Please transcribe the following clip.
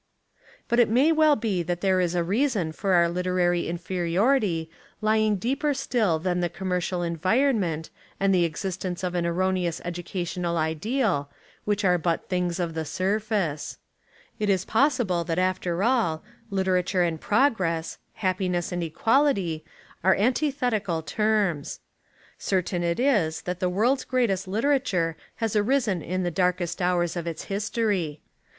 But it may well be that there is a reason for our literary inferiority lying deeper still than the commercial environment and the existence of an erroneous educational ideal, which are but things of the surface. It is possible that after all literature and progress happiness and equality are antithetical terms. Certain it is 93 Essays and Literary Studies that the world's greatest literature has arisen in the darkest hours of its history.